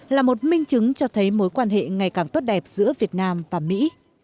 là một minh chứng cho thấy mối quan hệ ngày càng tốt đẹp giữa việt nam và mỹ